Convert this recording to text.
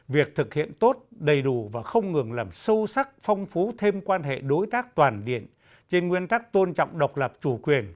việc thực hiện tốt đầy đủ và không ngừng làm sâu sắc phong phú thêm quan hệ đối tác toàn diện trên nguyên tắc tôn trọng độc lập chủ quyền